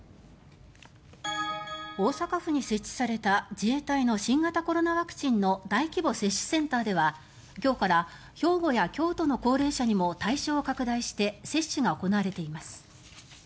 大阪府に設置された自衛隊の新型コロナワクチンの大規模接種センターでは今日から兵庫や京都の高齢者にも対象を拡大して接種が行われています。